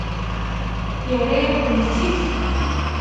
Yerra-yakent-t-id?